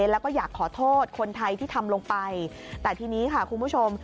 แล้วก็อยากขอโทษคนไทยที่ทำลงไปแต่ทีนี้ค่ะคุณผู้ชม